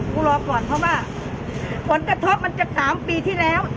รอก่อนเพราะว่าผลกระทบมันจะ๓ปีที่แล้ว